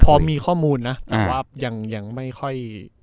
พอมีข้อมูลนะแต่ว่ายังไม่ค่อย